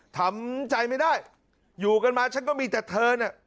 ทำใจไม่ได้อยู่กันมาฉันก็มีแต่เธอเนี่ย